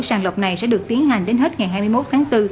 sàn lọc này sẽ được tiến hành đến hết ngày hai mươi một tháng bốn